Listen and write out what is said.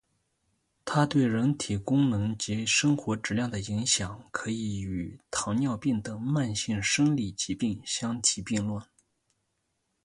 它对人体功能与生活质量的影响可以与糖尿病等慢性生理疾病相提并论。